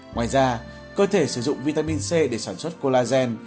ngoài ra cơ thể sử dụng vitamin c để sản xuất colagen